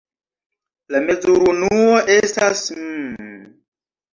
La mezurunuo estas mm.